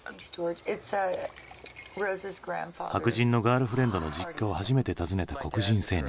白人のガールフレンドの実家を初めて訪ねた黒人青年。